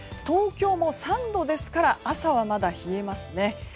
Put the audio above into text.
東京も３度ですから朝はまだ冷えますね。